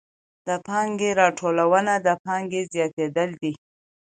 د پانګې راټولونه د پانګې زیاتېدل دي